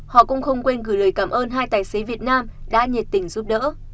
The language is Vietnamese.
họ cũng không quên gửi lời cảm ơn hai tài xế việt nam đã nhiệt tình giúp đỡ